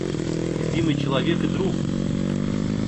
Любимый человек и друг!